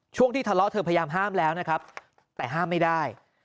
ช่วงที่ทะเลาะเธอพยายามห้ามแล้วนะครับแต่ห้ามไม่ได้